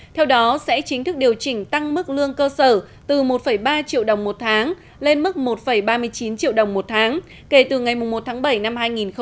theo đó sẽ chính thức điều chỉnh tăng mức lương cơ sở từ một ba triệu đồng một tháng lên mức một ba mươi chín triệu đồng một tháng kể từ ngày một tháng bảy năm hai nghìn hai mươi